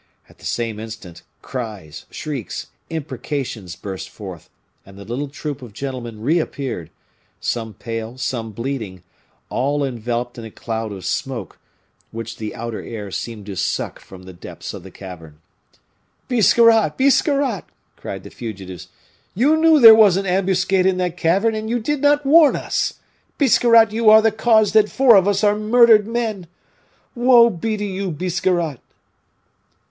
At the same instant, cries, shrieks, imprecations burst forth, and the little troop of gentlemen reappeared some pale, some bleeding all enveloped in a cloud of smoke, which the outer air seemed to suck from the depths of the cavern. "Biscarrat! Biscarrat!" cried the fugitives, "you knew there was an ambuscade in that cavern, and you did not warn us! Biscarrat, you are the cause that four of us are murdered men! Woe be to you, Biscarrat!"